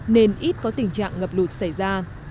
nên ít có tình trạng ngập lụt xảy ra